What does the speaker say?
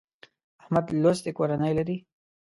احمد لوستې کورنۍ لري.